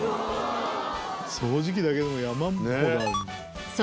掃除機だけでも山ほどあるね。